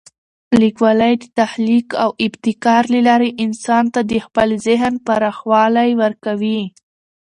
لیکوالی د تخلیق او ابتکار له لارې انسان ته د خپل ذهن پراخوالی ورکوي.